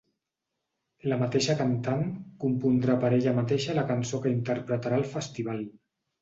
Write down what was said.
La mateixa cantant compondrà per ella mateixa la cançó que interpretarà al Festival.